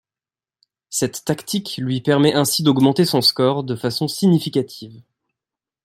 Cette tactique lui permet ainsi d'augmenter son score de façon significative.